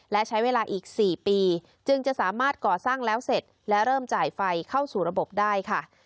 และใช้เวลาอีก๔ปีจึงจะสามารถก่อสร้างแล้วเสร็จและเริ่มจ่ายไฟเข้าสู่ระบบได้ค่ะ